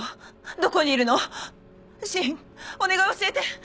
どこにいるの⁉芯お願い教えて！